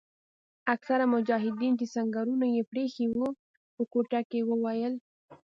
اکثره مجاهدین چې سنګرونه یې پریښي وو په کوټه کې وویل.